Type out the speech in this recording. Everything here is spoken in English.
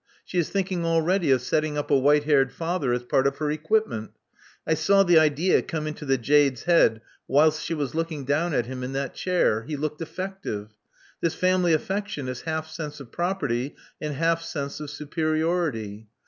She is thinking already of setting up a white haired father as part of her equipment: I saw the idea come into the jade's head whilst she was looking down at him in that chair. He looked effective. This family affection is half sense of property, and half sense of superiority.